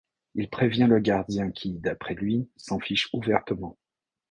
Il prévient le gardien qui, d’après lui, s’en fiche ouvertement.